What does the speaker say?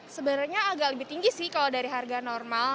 sebenarnya agak lebih tinggi sih kalau dari harga normal